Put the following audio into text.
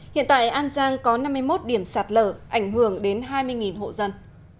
hiện tại an giang có năm mươi một điểm sạt lở ảnh hưởng đến hai mươi hộ dân